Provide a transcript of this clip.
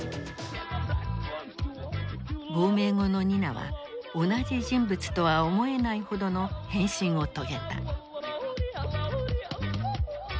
亡命後のニナは同じ人物とは思えないほどの変身を遂げた。